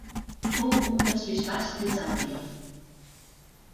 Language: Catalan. Fou un dels bisbats d'Isàuria.